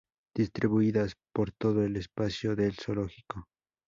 Distribuidas por todo el espacio del zoológico.